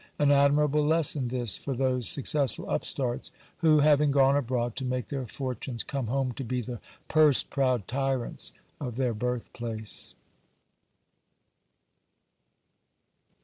An admirable lesson this for those successful upstarts, who having gone abroad to make their fortunes, come home to be the purse proud tyrants of their birth place.